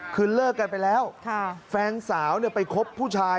คือเลิกกันไปแล้วแฟนสาวไปคบผู้ชาย